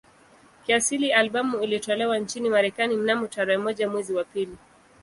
Kiasili albamu ilitolewa nchini Marekani mnamo tarehe moja mwezi wa pili